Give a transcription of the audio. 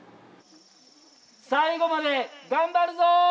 最後まで頑張るぞ！